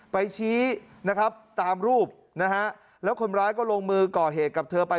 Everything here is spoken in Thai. ชี้นะครับตามรูปนะฮะแล้วคนร้ายก็ลงมือก่อเหตุกับเธอไป